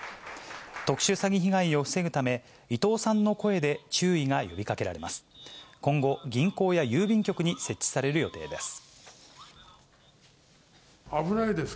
特殊詐欺被害を防ぐため、伊東さんの声で、注意が呼びかけられます。